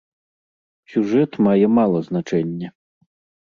Сюжэт мае мала значэння.